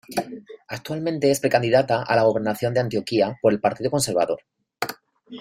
Actualmente es precandidata a la gobernación de Antioquia por el Partido Conservador.